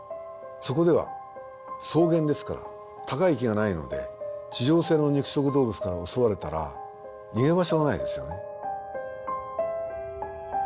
そこでは草原ですから高い木がないので地上性の肉食動物から襲われたら逃げ場所がないですよね。